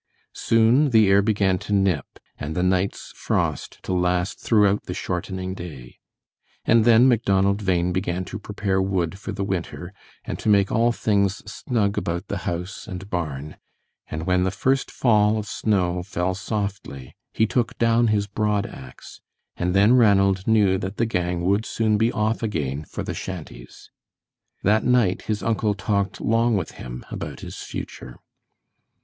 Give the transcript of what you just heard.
Soon the air began to nip, and the night's frost to last throughout the shortening day, and then Macdonald Bhain began to prepare wood for the winter, and to make all things snug about the house and barn; and when the first fall of snow fell softly, he took down his broad ax, and then Ranald knew that the gang would soon be off again for the shanties. That night his uncle talked long with him about his future.